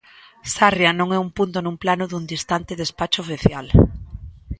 Sarria non é un punto nun plano dun distante despacho oficial.